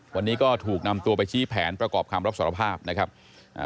วันนี้ก็ถูกนำตัวไปชี้แผนประกอบคำรับสารภาพนะครับอ่า